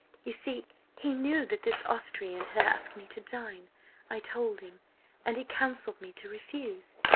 You see, he knew that this Austrian had asked me to dine–I told him–and he counselled me to refuse.